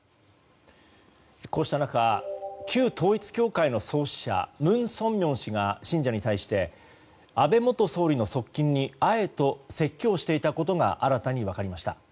こうした中、旧統一教会の創始者、文鮮明氏が信者に対して安倍元総理の側近に会えと説教していたことが新たに分かりました。